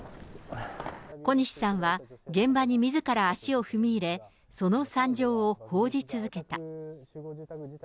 小西さんは、現場にみずから足を踏み入れ、その惨状を報じ続けた。